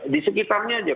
di sekitarnya juga